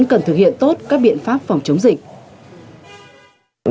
cần thực hiện tốt các biện pháp phòng chống dịch